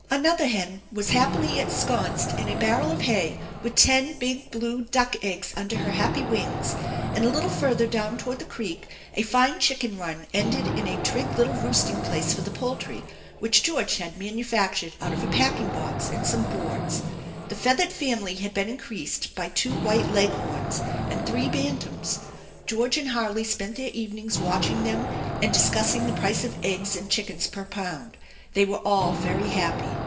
Another hen was hap pily ensconced in a barrel of hay with ten big blue duck eggs under her happy wings, and a little further down toward the creek a fine chicken run ended in a trig little roosting place for the poultry, which George had manufactured out of a packing box and some boards. The feathered family had been increased by two white Leghorns and three bantams. George and Harley spent their evenings watching them and discussing the price of eggs and chickens per pound. They were all very happy.